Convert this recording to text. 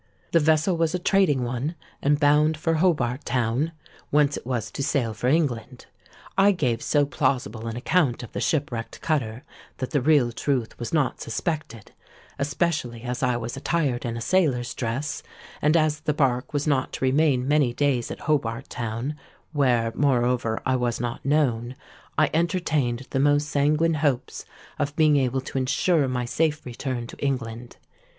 "The vessel was a trading one, and bound for Hobart Town, whence it was to sail for England. I gave so plausible an account of the shipwrecked cutter, that the real truth was not suspected, especially as I was attired in a sailor's dress; and as the bark was not to remain many days at Hobart Town, where, moreover, I was not known, I entertained the most sanguine hopes of being able to ensure my safe return to England.